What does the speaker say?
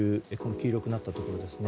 黄色くなっているところですね。